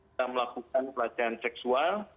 telah melakukan pelecehan seksual